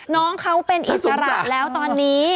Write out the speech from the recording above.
น้องเขาเป็นอิสระแล้วตอนนี้